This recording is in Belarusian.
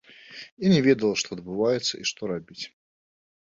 Я не ведала, што адбываецца і што рабіць.